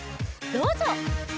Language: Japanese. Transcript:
どうぞ。